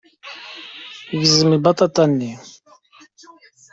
Gzem lbaṭaṭa-nni.